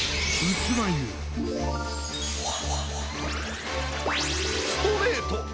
ストレート！